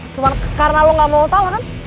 cuma karena lo gak mau salah kan